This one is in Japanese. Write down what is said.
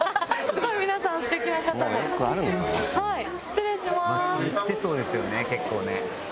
番組来てそうですよね結構ね。